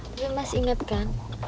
tapi mas inget kan